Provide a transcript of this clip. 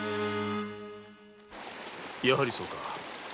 やはりそうか。